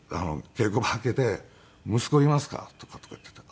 稽古場開けて「息子いますか？」とかって言ってて。